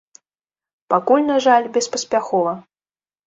Пакуль, на жаль, беспаспяхова.